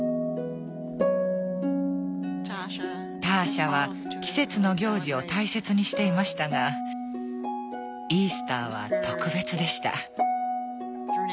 ターシャは季節の行事を大切にしていましたがイースターは特別でした。